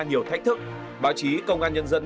nhiều thách thức báo chí công an nhân dân